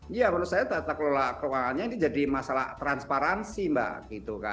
iya menurut saya tata kelola keuangannya ini jadi masalah transparansi mbak